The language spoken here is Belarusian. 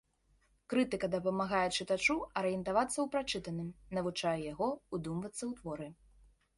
Крытыка дапамагае чытачу арыентавацца ў прачытаным, навучае яго ўдумвацца ў творы.